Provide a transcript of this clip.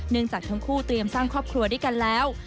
จากทั้งคู่เตรียมสร้างครอบครัวด้วยกันแล้ว